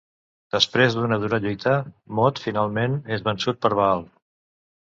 Després d'una dura lluita, Mot finalment és vençut per Baal.